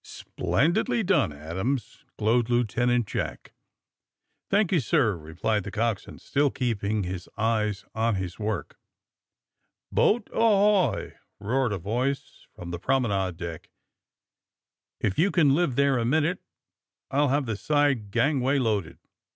^' Splendily done, Adams !'' glowed Lieutenant Jack. ^^ Thank you, sir,'^ replied the coxswain, still keeping his eyes on his work ^'Boat ahoy!" roared a voice from the prom enade decke '*If you can live there a minute I'll have the side gangway loaded."